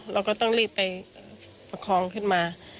เราก็ต้องรีบไปประคองขึ้นมา